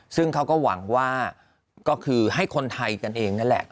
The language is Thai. ซึ่งเขาก็หวังว่าก็คือให้คนไทยกันเองนั่นแหละ